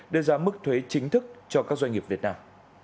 đưa ra mức thuế chính thức cho các doanh nghiệp việt nam